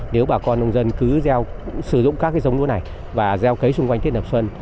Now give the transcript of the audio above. nếu bà con nông dân cứ sử dụng các giống lúa này và gieo cấy xung quanh tiết nập xuân